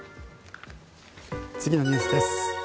次のニュースです。